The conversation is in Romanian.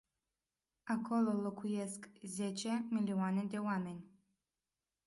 Acolo locuiesc zece milioane de oameni.